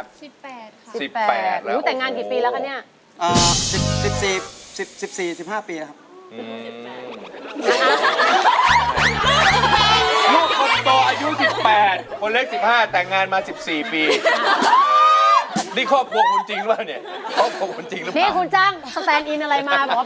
นี่คุณจังสแสนอีนอะไรมาบอกว่าเป็นครอบครัวคุณเปล่าเนี่ย